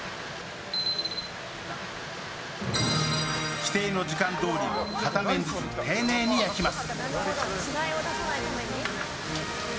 既定の時間どおり片面ずつ丁寧に焼きます。